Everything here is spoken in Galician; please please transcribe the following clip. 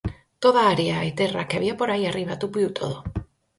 Toda a area e terra que había por aí arriba tupiu todo.